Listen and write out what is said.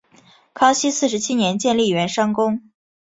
康熙四十七年建立圆山宫。